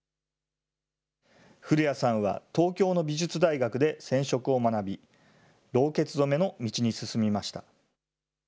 古屋さんは東京の美術大学で染色を学び、ろうけつ染めの道に進みました。